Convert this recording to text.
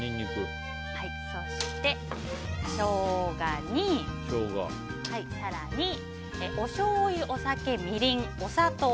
そしてショウガに更に、おしょうゆお酒、みりん、お砂糖。